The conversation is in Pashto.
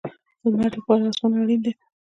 د لمر لپاره اسمان اړین دی